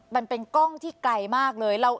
มันเป็นกล้องที่ไกลมากเลย